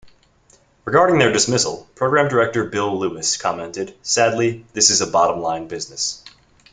Regarding their dismissal, Program Director Bill Louis commented, sadly, this a bottom-line business.